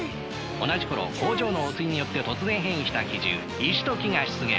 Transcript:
同じころ工場の汚水によって突然変異した奇獣石と樹が出現。